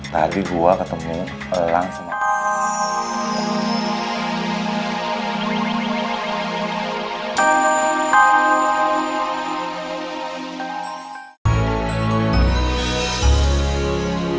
tadi gua ketemuin elang sama